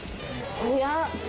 早っ。